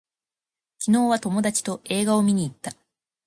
昨日は友達と映画を見に行った